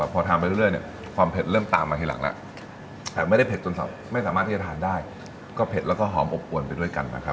พอทานไปเรื่อยเนี่ยความเผ็ดเริ่มตามมาทีหลังแล้วแต่ไม่ได้เผ็ดจนไม่สามารถที่จะทานได้ก็เผ็ดแล้วก็หอมอบอวนไปด้วยกันนะครับ